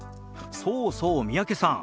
そうそう三宅さん